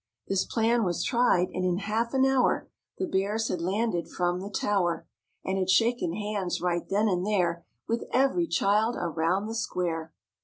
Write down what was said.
This plan was tried and in half an hour The Bears had landed from the tower ^ And had shaken hands right then and there With every child around the square.